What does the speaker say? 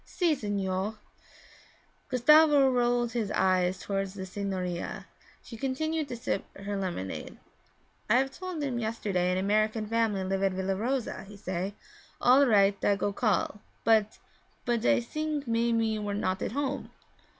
'Si, signore.' Gustavo rolled his eyes toward the signorina; she continued to sip her lemonade. 'I have told him yesterday an American family live at Villa Rosa; he say, "All right, I go call," but but I sink maybe you were not at home.'